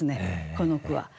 この句は。